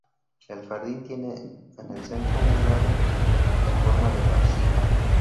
El jardín tiene en el centro un lago en forma de vasija.